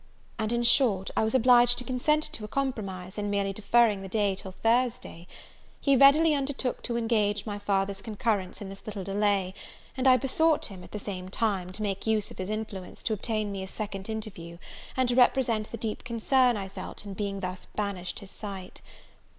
And, in short, I was obliged to consent to a compromise in merely deferring the day till Thursday! He readily undertook to engage my father's concurrence in this little delay; and I besought him, at the same time, to make use of his influence to obtain me a second interview, and to represent the deep concern I felt in being thus banished his sight.